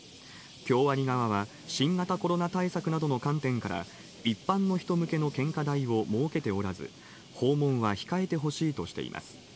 京アニ側は、新型コロナ対策などの観点から、一般の人向けの献花台を設けておらず、訪問は控えてほしいとしています。